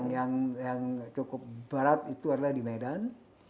yang cukup barat itu adalah di medan